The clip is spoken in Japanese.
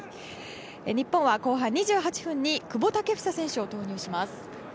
日本は後半２８分に久保建英選手を投入します。